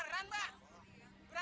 gak tau bu